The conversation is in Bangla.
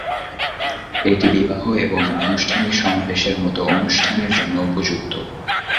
এটি বিবাহ এবং আনুষ্ঠানিক সমাবেশের মতো অনুষ্ঠানের জন্য উপযুক্ত।